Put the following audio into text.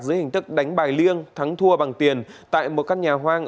dưới hình thức đánh bài liêng thắng thua bằng tiền tại một căn nhà hoang